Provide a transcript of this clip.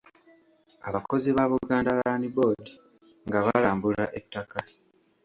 Abakozi ba Buganda Land Board nga balambula ettaka.